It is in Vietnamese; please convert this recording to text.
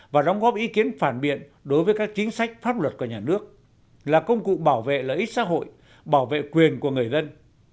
và đóng góp ý kiến phản biện đối với các chính sách pháp luật của nhà nước là công cụ bảo vệ lợi ích xã hội bảo vệ quyền của người dân